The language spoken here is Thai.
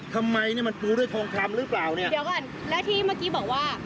ทำไมเนี่ยมันปูด้วยทองคำหรือเปล่าเนี่ยเดี๋ยวก่อนแล้วที่เมื่อกี้บอกว่า